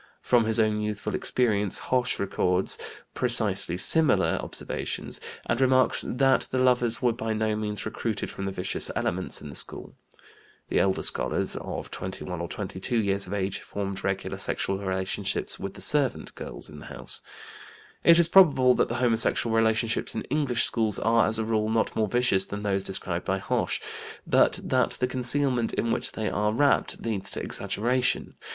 From his own youthful experience Hoche records precisely similar observations, and remarks that the lovers were by no means recruited from the vicious elements in the school. (The elder scholars, of 21 or 22 years of age, formed regular sexual relationships with the servant girls in the house.) It is probable that the homosexual relationships in English schools are, as a rule, not more vicious than those described by Hoche, but that the concealment in which they are wrapped leads to exaggeration.